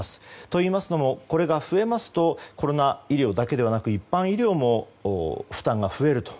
と、いいますのもこれが増えますとコロナ医療だけではなく一般医療も負担が増えると。